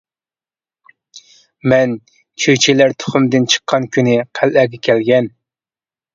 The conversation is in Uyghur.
مەن چۈجىلەر تۇخۇمدىن چىققان كۈنى قەلئەگە كەلگەن.